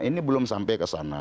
ini belum sampai kesana